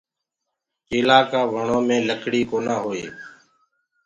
ڪيلآ ڪآ وڻو مي لڪڙي ڪونآ هوئي۔